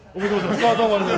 おめでとうございます。